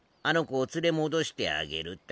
あの子を連れ戻してあげる。